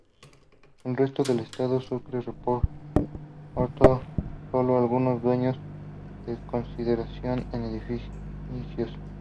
El resto del estado Sucre reportó solo algunos daños de consideración en edificios.